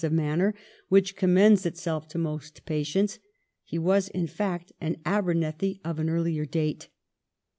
of manner which commends itself to most patients — he was, in fact, an Abernethy of an earlier date.